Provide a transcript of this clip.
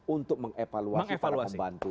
untuk mengevaluasi para pembantunya